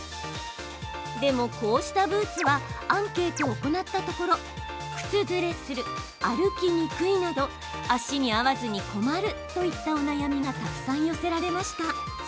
でも、こうしたブーツはアンケートを行ったところ靴ずれする、歩きにくいなど足に合わずに困るといったお悩みがたくさん寄せられました。